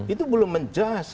itu belum menjad